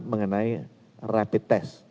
mengenai rapid test